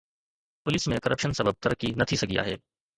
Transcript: police ۾ corruption سبب ترقي نه ٿي سگهي آهي